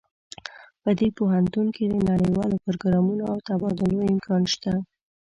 په دې پوهنتون کې د نړیوالو پروګرامونو او تبادلو امکان شته